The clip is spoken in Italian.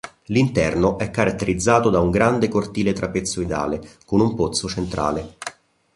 L'interno è caratterizzato da un grande cortile trapezoidale con un pozzo centrale.